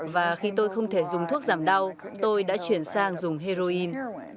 và khi tôi không thể dùng thuốc giảm đau tôi đã chuyển sang dùng heroin